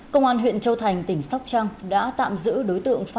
công an huyện châu thành tỉnh sóc trăng đã tạm giữ đối tượng